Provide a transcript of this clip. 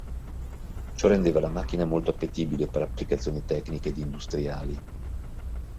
Ciò rendeva la macchina molto appetibile per applicazioni tecniche ed industriali.